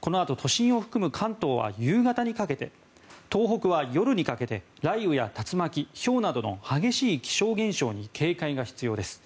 このあと、都心を含む関東は夕方にかけて東北は夜にかけて雷雨や竜巻ひょうなどの激しい気象現象に警戒が必要です。